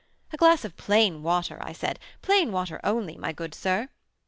'A glass of plain water,' I said; 'plain water only, my good sir.'